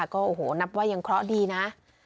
ก็โอ้โหนับว่ายังเคราะห์ดีนะ